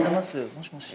もしもし？